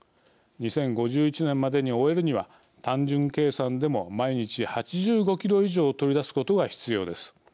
２０５１年までに終えるには単純計算でも毎日８５キロ以上取り出すことが必要です。